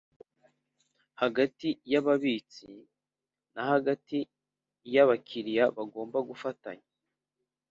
hagati y ababitsi na hagati n abakiriya bagomba gufatanya